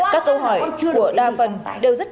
các câu hỏi của đa phần đều rất chú ý